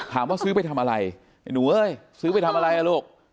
ถามว่าซื้อไปทำอะไรหนูเฮ้ยซื้อไปทำอะไรละลูก